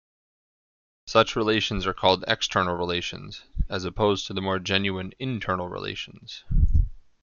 Such relations are called external relations, as opposed to the more genuine internal relations.